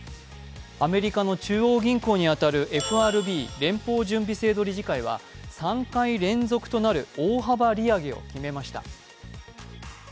アメリカの中央銀行に当たるＦＲＢ＝アメリカ連邦準備制度理事会は３回連続となる大幅利上げを決めました。